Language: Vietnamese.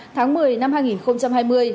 tháng một mươi năm hai nghìn hai mươi đạt